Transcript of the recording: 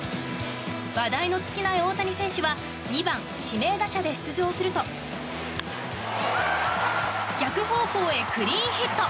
話題の尽きない大谷選手は２番指名打者で出場すると逆方向へクリーンヒット。